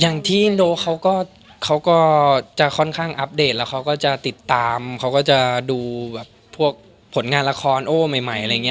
อย่างที่โนเขาก็จะค่อนข้างอัปเดตแล้วเขาก็จะติดตามเขาก็จะดูแบบพวกผลงานละครโอ้ใหม่อะไรอย่างนี้